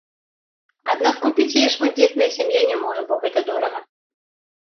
Аднак купіць яе шматдзетная сям'я не можа, бо гэта дорага.